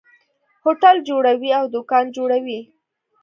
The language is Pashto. هوټل جوړوي او دکان جوړوي.